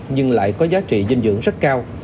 nhưng lại có giá trị dinh dưỡng rất cao